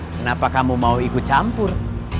kenapa kamu mau ikut campur